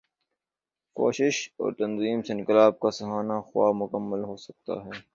کوشش اور تنظیم سے انقلاب کا سہانا خواب مکمل ہو سکتا ہے۔